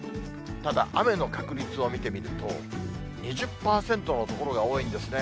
ただ、雨の確率を見てみると、２０％の所が多いんですね。